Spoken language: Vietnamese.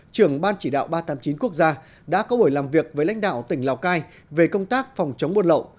trưởng ban chỉ đạo ba trăm tám mươi chín quốc gia đã có buổi làm việc với lãnh đạo tỉnh lào cai về công tác phòng chống buôn lậu